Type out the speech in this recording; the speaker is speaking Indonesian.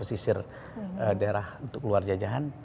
isir daerah untuk luar jajahan